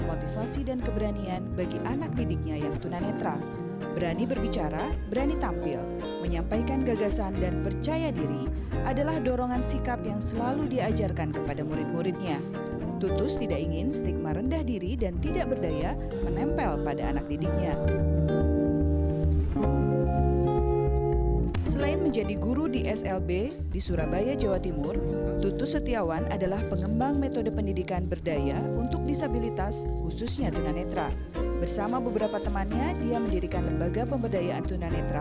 masih banyak veteran veteran yang mungkin masih belum mendapatkan perhatian semacam itu